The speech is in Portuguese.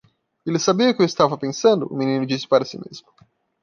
"Ele sabia o que eu estava pensando?" o menino disse para si mesmo.